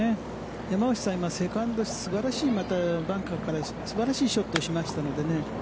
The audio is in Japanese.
山内さんはセカンドバンカーから素晴らしいショットを打ちましたので。